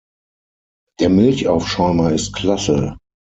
Der Milchaufschäumer ist klasse!